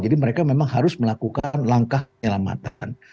mereka memang harus melakukan langkah penyelamatan